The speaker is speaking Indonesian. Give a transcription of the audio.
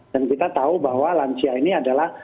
dan kita tahu bahwa lansia ini adalah